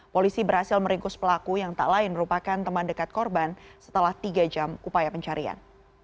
polisi berhasil meringkus pelaku yang tak lain merupakan teman dekat korban setelah tiga jam upaya pencarian